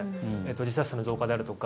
自殺者の増加であるとか。